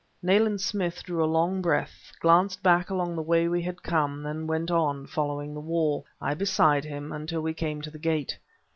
Nayland Smith drew a long breath, glanced back along the way we had come, then went on, following the wall, I beside him, until we came to the gate.